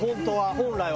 本来は。